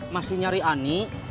masih nyari ani